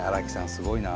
すごいな。